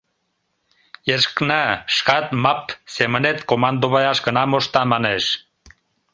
Эшкна шкат «Мапп» семынет командоваяш гына мошта, манеш.